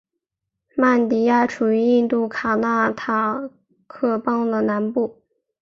曼迪亚处于印度卡纳塔克邦的南部。